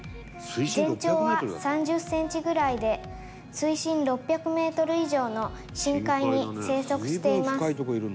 「全長は３０センチぐらいで水深６００メートル以上の深海に生息しています」